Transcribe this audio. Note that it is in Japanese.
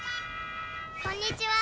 「こんにちは」